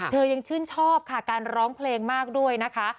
ยังชื่นชอบค่ะการร้องเพลงมากด้วยนะคะ